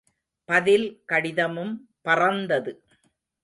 பதில் கடிதமும் பறந்தது.